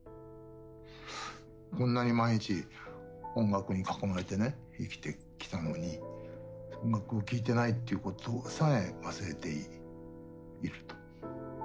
あんなに毎日音楽に囲まれてね生きてきたのに音楽を聴いてないっていうことさえ忘れていると。